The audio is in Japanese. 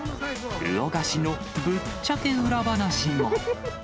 魚河岸のぶっちゃけ裏話も。